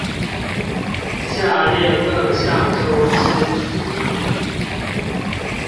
下列各項中之詞義